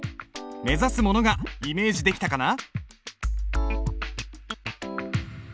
目指すものがイメージできたかな？